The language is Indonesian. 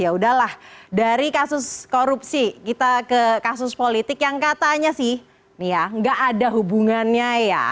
ya udahlah dari kasus korupsi kita ke kasus politik yang katanya sih nggak ada hubungannya ya